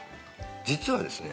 実はですね。